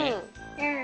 うん。